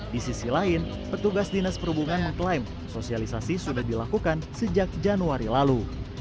di sisi lain petugas dinas perhubungan mengklaim sosialisasi sudah dilakukan sejak januari lalu